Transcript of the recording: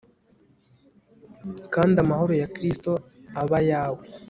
kandi amahoro ya kristo abe ayawe